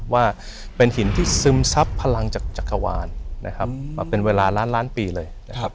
ว่าเป็นหินที่ซึมซับพลังจากจักรวาลนะครับมาเป็นเวลาล้านล้านปีเลยนะครับ